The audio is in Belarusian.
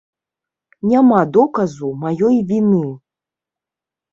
Няма доказу маёй віны.